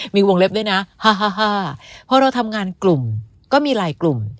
มีวงเล็บด้วยนะพอเราทำงานกลุ่มก็มีหลายกลุ่ม